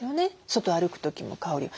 外歩く時も香り。